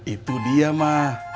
itu dia ma